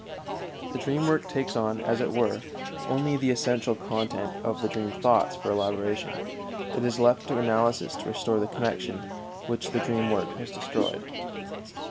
The dream work takes on, as it were, only the essential content of the dream thoughts for elaboration. It is left to analysis to restore the connection which the dream work has destroyed.